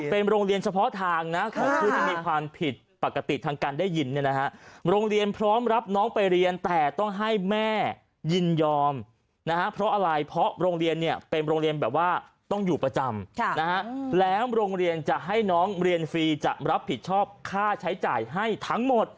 เป็นโรงเรียนเฉพาะทางนะของผู้ที่มีความผิดปกติทางการได้ยินเนี่ยนะฮะโรงเรียนพร้อมรับน้องไปเรียนแต่ต้องให้แม่ยินยอมนะฮะเพราะอะไรเพราะโรงเรียนเนี่ยเป็นโรงเรียนแบบว่าต้องอยู่ประจำนะฮะแล้วโรงเรียนจะให้น้องเรียนฟรีจะรับผิดชอบค่าใช้จ่ายให้ทั้งหมด